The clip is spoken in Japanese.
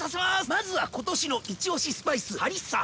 まずは今年のイチオシスパイスハリッサ！